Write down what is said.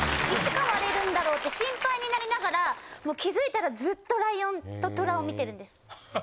いつかまれるんだろうって心配しながら、気付いたらずっとライオンと虎を見てるんです。